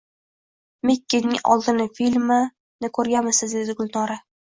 — «Makkenining oltini» filmini koʼrganmisiz? — dedi Gulnora.